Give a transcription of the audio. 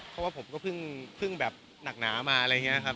เพราะว่าผมก็เพิ่งแบบหนักหนามาอะไรอย่างนี้ครับ